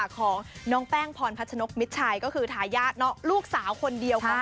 ของน้องแป้งพรพัชนกมิดชัยก็คือทายาทลูกสาวคนเดียวกัน